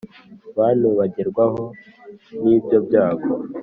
bantu bagerwaho n ibyo byago